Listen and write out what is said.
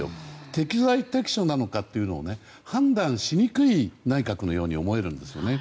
適材適所なのかというのを判断しにくい内閣のように思えるんですよね。